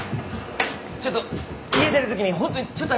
ちょっと家出るときにホントにちょっとありまして。